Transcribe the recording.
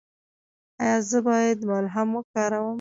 ایا زه باید ملهم وکاروم؟